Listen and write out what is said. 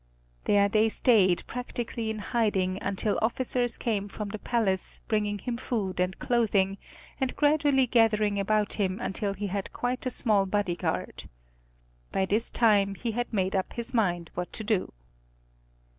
There they stayed practically in hiding until officers came from the palace bringing him food and clothing, and gradually gathering about him until he had quite a small body guard. By this time he had made up his mind what to do.